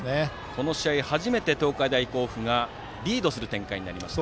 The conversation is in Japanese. この試合、初めて東海大甲府がリードする展開になりました。